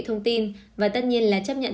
thông tin và tất nhiên là chấp nhận